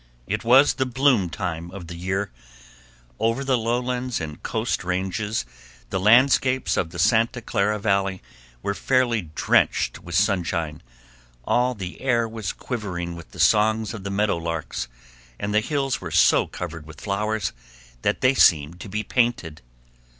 It was the bloom time of the year over the lowlands and coast ranges the landscapes of the Santa Clara Valley were fairly drenched with sunshine, all the air was quivering with the songs of the meadow larks, and the hills were so covered with flowers that they seemed to be painted.